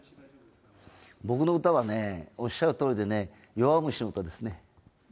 僕の歌はね、おっしゃるとおりでね、弱虫の歌ですね。